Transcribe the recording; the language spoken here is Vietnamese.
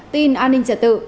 tin an ninh trả tự